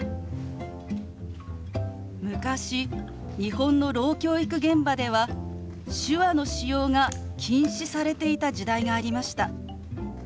昔日本のろう教育現場では手話の使用が禁止されていた時代がありました。